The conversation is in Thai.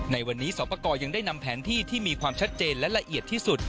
ในวันนี้สอบประกอบยังได้นำแผนที่ที่มีความชัดเจนและละเอียดที่สุด